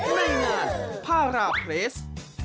ในงานภาระเบรส